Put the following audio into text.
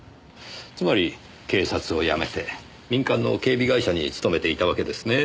つまり警察を辞めて民間の警備会社に勤めていたわけですね。